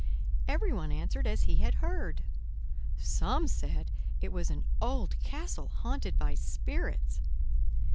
Every one answered as he had heard. Some said it was an old castle haunted by spirits.